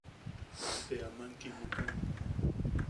Te aman te kimukan.